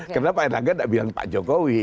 karena pak erlangga tidak bilang pak jokowi